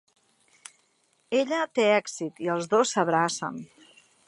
Ella té èxit i els dos s'abracen.